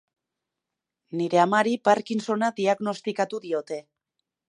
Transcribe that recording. Nire amari Parkinsona diagnostikatu diote.